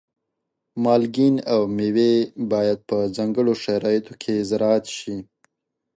مالګین او مېوې باید په ځانګړو شرایطو کې زراعت شي.